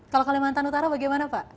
kalau kalimantan utara bagaimana pak